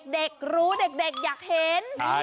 เด็กรู้เด็กอยากเห็น